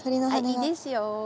いいですよ。